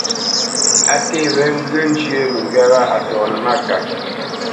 A nté wé ŋgyə̂ njyə́ məŋgywá wâ a tɔnə́ mâkap.